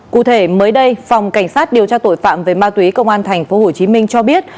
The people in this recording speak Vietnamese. cụ thể mới đây phòng cảnh sát điều tra tội phạm về ma túy công an tp hcm cho biết